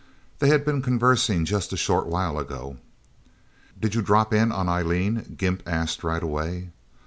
They had been conversing just a short while ago. "Did you drop in on Eileen?" Gimp asked right away.